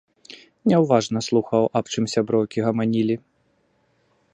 Няўважна слухаў, аб чым сябрукі гаманілі.